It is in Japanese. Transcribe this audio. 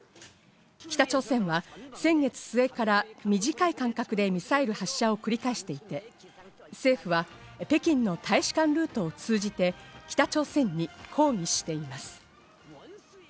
北朝鮮は先月末から短い間隔でミサイル発射を繰り返していて、政府は北京の大使館ルートを通じて北朝鮮に抗議しています。